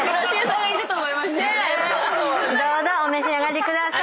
お召し上がりください。